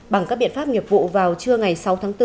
bằng các biện pháp nghiệp vụ vào trưa ngày sáu tháng bốn